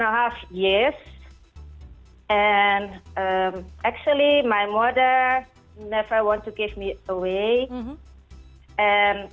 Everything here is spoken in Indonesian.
dan sebenarnya ibu saya tidak ingin menolong saya